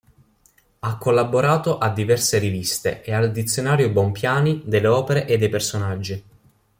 Ha collaborato a diverse riviste e al "Dizionario Bompiani delle opere e dei personaggi".